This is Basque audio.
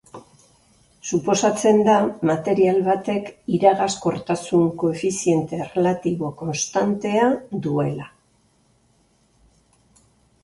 Suposatzen da material batek iragazkortasun koefiziente erlatibo konstantea duela.